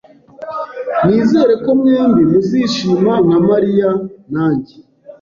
Nizere ko mwembi muzishima nka Mariya nanjye